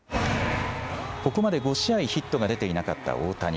ここまで５試合ヒットが出ていなかった大谷。